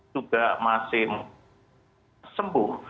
juga masih sembuh